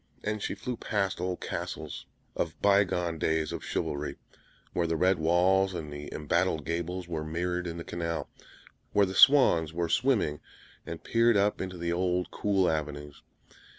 And she flew past old castles of by gone days of chivalry, where the red walls and the embattled gables were mirrored in the canal, where the swans were swimming, and peered up into the old cool avenues.